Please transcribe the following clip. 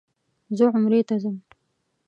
زه عمرې ته ځم.